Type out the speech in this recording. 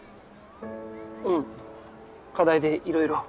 うん課題でいろいろ。